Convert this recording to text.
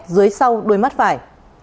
dưới sau đôi mắt phải